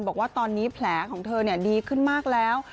บอกว่าตอนนี้แผลของเธอดีขึ้นมากแล้ว